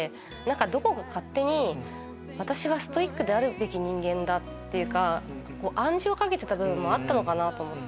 どこか勝手に私はストイックであるべき人間だ！って暗示をかけてた部分もあったのかなと思って。